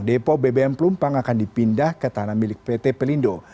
depo bbm pelumpang akan dipindah ke tanah milik pt pelindo